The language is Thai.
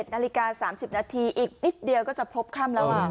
นาฬิกา๓๐นาทีอีกนิดเดียวก็จะพบค่ำแล้ว